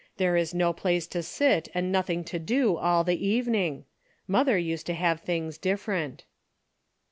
There is no place to sit and nothing to do all the evening. Mother used to have things different."